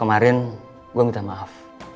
kemarin gue minta maaf